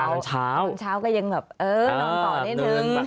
ตอนเช้าก็ยังแบบเออนอนต่อนิดนึง